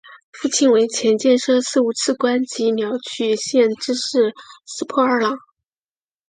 父亲为前建设事务次官及鸟取县知事石破二朗。